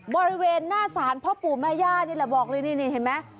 บริเวณหน้าศาลพ่อปู่แม่ย่านี่แหละบอกเลยนี่เห็นไหม